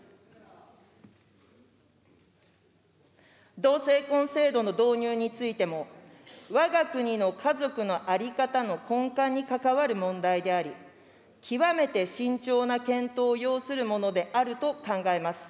同性婚制度の導入についても、わが国の家族の在り方の根幹に関わる問題であり、極めて慎重な検討を要するものであると考えます。